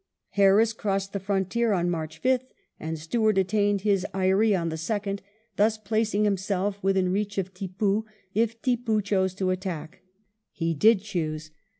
Harris crossed the frontier on March 6th, and Stuart attained his eyry on the 2nd, thus placing himself within reach of Tippoo, if Tippoo chose to attack. He did choose.